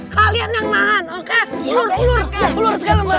kalian yang nahan oke ulur ulur